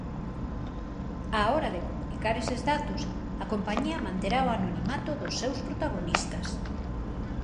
Á hora de comunicar eses datos, a compañía manterá o anonimato dos seus protagonistas.